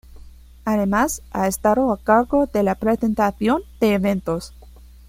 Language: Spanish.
Además, ha estado a cargo de la presentación de eventos.